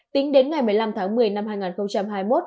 tính đến ngày một mươi năm tháng một mươi năm hai nghìn hai mươi một